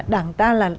đảng ta là đảng